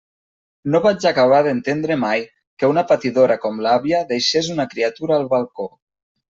No vaig acabar d'entendre mai que una patidora com l'àvia deixés una criatura al balcó.